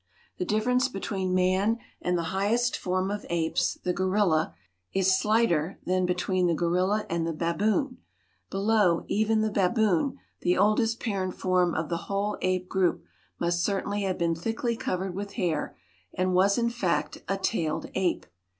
The difference between man and the highest form of apes, the gorilla, is slighter than between the gorilla and the baboon. Below even the baboon, the oldest parent form of the whole ape group must certainly have been thickly covered with hair, and was, in fact, a tailed ape.